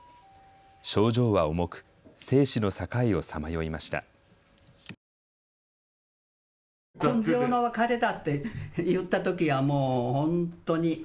症状は重く生死の境をさまよいました。